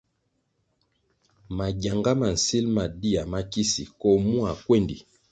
Mangyanga ma nsil ma dia makisi koh mua kwéndi.